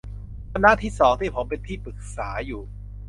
คณะที่สอง ที่ผมเป็นที่ปรึกษาอยู่